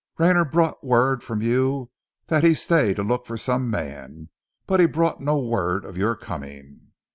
Rayner brought word from you that he stay to look for some man, but he brought no word of your coming."